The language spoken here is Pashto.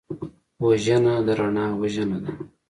وژنه د رڼا وژنه ده